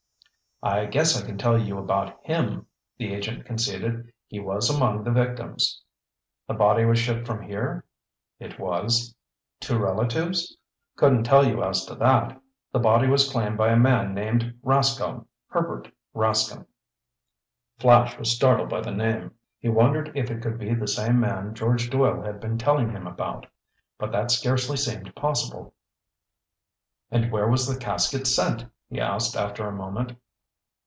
"I guess I can tell you about him," the agent conceded. "He was among the victims." "The body was shipped from here?" "It was." "To relatives?" "Couldn't tell you as to that. The body was claimed by a man named Rascomb. Herbert Rascomb." Flash was startled by the name. He wondered if it could be the same man George Doyle had been telling him about. But that scarcely seemed possible. "And where was the casket sent?" he asked after a moment.